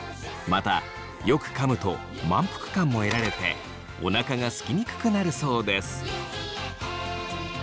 またよくかむと満腹感も得られておなかがすきにくくなるそうです。